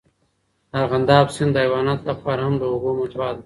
د ارغنداب سیند د حیواناتو لپاره هم د اوبو منبع ده.